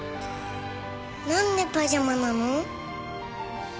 何でパジャマなの？